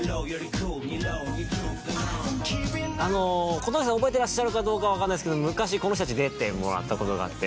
小峠さん覚えてらっしゃるかどうかわかんないですけど昔この人たち出てもらった事があって。